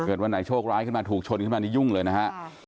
วันไหนโชคร้ายขึ้นมาถูกชนขึ้นมานี่ยุ่งเลยนะฮะ